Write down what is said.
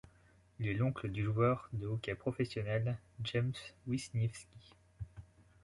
Il est l'oncle du joueur de hockey professionnel, James Wisniewski.